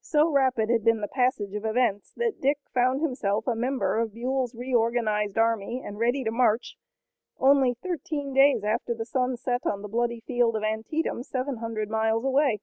So rapid had been the passage of events that Dick found himself a member of Buell's reorganized army, and ready to march, only thirteen days after the sun set on the bloody field of Antietam, seven hundred miles away.